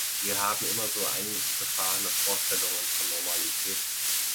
Wir haben immer so eingefahrene Vorstellungen von Normalität.